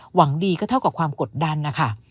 หวังดีก็เท่ากับความกดดันนะคะ